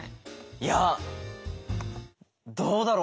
いやどうだろう。